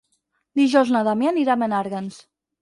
Dijous na Damià anirà a Menàrguens.